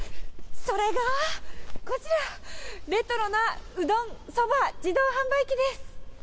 それがこちら、レトロなうどん・そば自動販売機です。